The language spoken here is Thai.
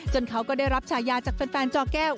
เขาก็ได้รับฉายาจากแฟนจอแก้ว